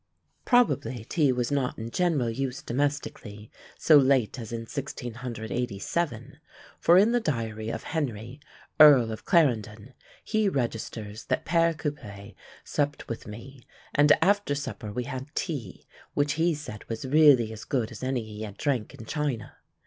Probably, tea was not in general use domestically so late as in 1687; for in the diary of Henry, Earl of Clarendon, he registers that "PÃẀre Couplet supped with me, and after supper we had tea, which he said was really as good as any he had drank in China."